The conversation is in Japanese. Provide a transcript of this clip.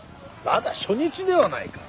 まだ初日ではないか。